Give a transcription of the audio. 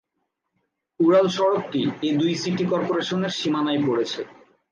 উড়ালসড়কটি এ দুই সিটি করপোরেশনের সীমানায় পড়েছে।